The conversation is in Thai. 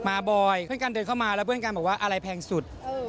มาบ่อยเพื่อนกันเดินเข้ามาแล้วเพื่อนกันบอกว่าอะไรแพงสุด